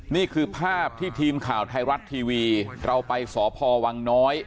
นี่คือภาพที่ทีมข่าวไทยรัฐทีวีเราไปสพวังน้อย